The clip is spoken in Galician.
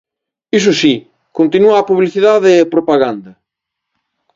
Iso si, continúa a publicidade e a propaganda.